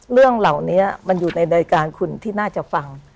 เรื่องเหล่านี้มันอยู่ในรายการคุณที่น่าจะฟัง